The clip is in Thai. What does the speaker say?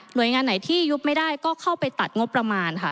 โดยงานไหนที่ยุบไม่ได้ก็เข้าไปตัดงบประมาณค่ะ